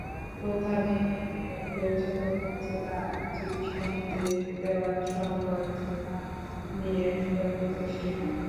প্রথা ভেঙে মেয়রকে চট্টগ্রাম জেলা আইনজীবী সমিতির দেওয়া সংবর্ধনা নিয়ে বিতর্ক সৃষ্টি হয়।